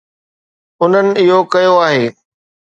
انهن اهو ڪيو آهي.